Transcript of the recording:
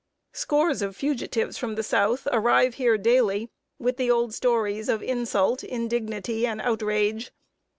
Scores of fugitives from the South arrive here daily, with the old stories of insult, indignity, and outrage.